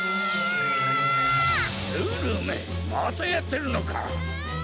ルルめまたやってるのか！